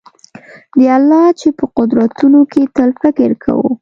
د الله چي په قدرتونو کي تل فکر کوه